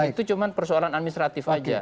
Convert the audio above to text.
itu cuma persoalan administratif saja